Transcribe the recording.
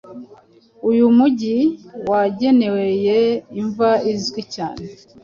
Uyu mujyi wegereye imva izwi cyane